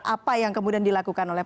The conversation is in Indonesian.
apa yang kemudian dilakukan oleh